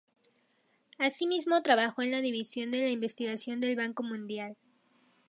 Asimismo, trabajó en la División de Investigación del Banco Mundial.